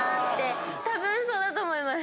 たぶんそうだと思います。